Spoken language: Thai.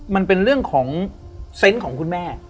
มันเป็นเรื่องของเซนต์ของคุณแม่